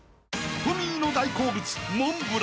［トミーの大好物］